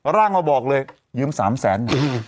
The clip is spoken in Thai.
ร่างมาบอกเลยยืม๓แสน